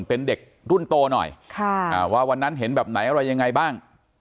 เป็นเด็กรุ่นโตหน่อยว่าวันนั้นเห็นแบบไหนอะไรยังไงบ้าง